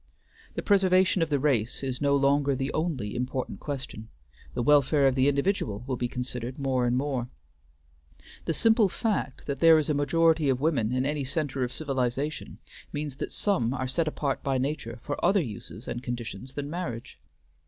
The preservation of the race is no longer the only important question; the welfare of the individual will be considered more and more. The simple fact that there is a majority of women in any centre of civilization means that some are set apart by nature for other uses and conditions than marriage.